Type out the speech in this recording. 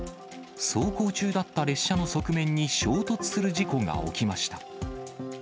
走行中だった列車の側面に衝突する事故が起きました。